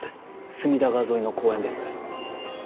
隅田川沿いの公園です。